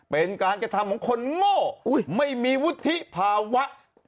เป็นการกระทำของคนโง่ไม่มีวุฒิภาวะ